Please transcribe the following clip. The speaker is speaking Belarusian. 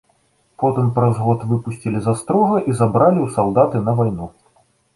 Потым праз год выпусцілі з астрога і забралі ў салдаты на вайну.